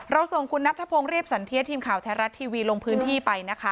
ส่งคุณนัทธพงศ์เรียบสันเทียทีมข่าวแท้รัฐทีวีลงพื้นที่ไปนะคะ